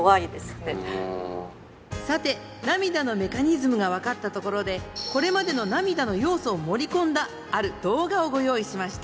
さて涙のメカニズムが分かったところでこれまでの涙の要素を盛り込んだある動画をご用意しました。